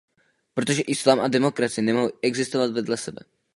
Protože islám a demokracie nemohou existovat vedle sebe.